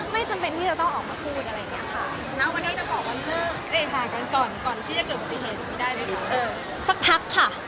ก็ค่ะไปเรื่อยค่ะตอนนี้โฟกัสงานค่ะ